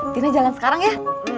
tina jalan sekarang ya